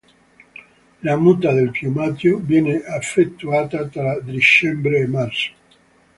La muta del piumaggio viene effettuata tra dicembre e marzo.